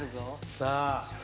さあ。